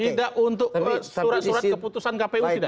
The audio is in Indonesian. tidak untuk surat surat keputusan kpu tidak